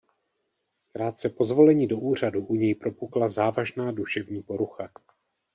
Krátce po zvolení do úřadu u něj propukla závažná duševní porucha.